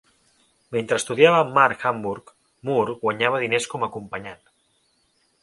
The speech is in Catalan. Mentre estudiava amb Mark Hambourg, Moore guanyava diners com a acompanyant.